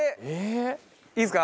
いいですか？